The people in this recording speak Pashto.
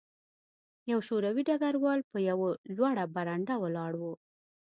یو شوروي ډګروال په یوه لوړه برنډه ولاړ و